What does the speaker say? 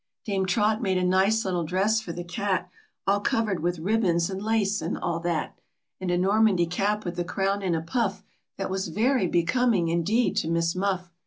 Dame Trot made a nice little dress for the cat, All covered with ribbons and lace, and all that, And a Normandy cap with the crown in a puff, That was very becoming indeed to Miss Muff.